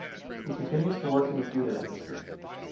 He continues to work in the theater industry.